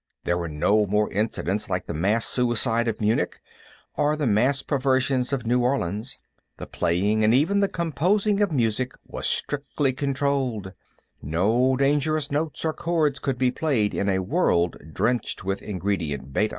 There were no more incidents like the mass suicide of Munich or the mass perversions of New Orleans; the playing and even the composing of music was strictly controlled no dangerous notes or chords could be played in a world drenched with Ingredient Beta.